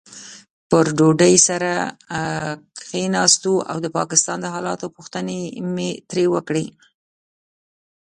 پر ډوډۍ سره کښېناستو او د پاکستان د حالاتو پوښتنې مې ترې وکړې.